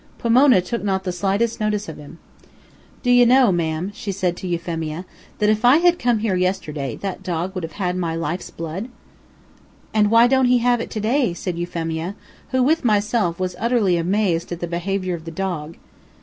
Pomona took not the slightest notice of him. "Do you know, ma'am," said she to Euphemia, "that if I had come here yesterday, that dog would have had my life's blood." "And why don't he have it to day?" said Euphemia, who, with myself, was utterly amazed at the behavior of the dog.